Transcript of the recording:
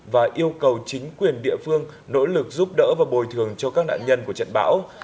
và yêu cầu chính quyền địa phương nỗ lực giúp đỡ và bồi thường cho các nạn nhân của trận bão